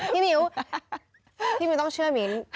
มิ้วพี่มิวต้องเชื่อมิ้น